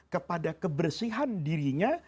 kepada kebersihan dirinya